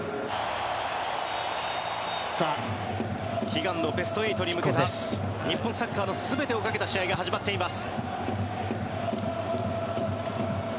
悲願のベスト８に向けた日本サッカーの全てをかけた試合が始まっています。